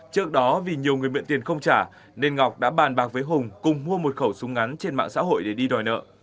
trước đó vì nhiều người miễn tiền không trả nên ngọc đã bàn bạc với hùng cùng mua một khẩu súng ngắn trên mạng xã hội để đi đòi nợ